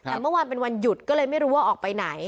แต่เมื่อวานเป็นวันหยุดก็เลยไม่รู้ว่าออกไปไหน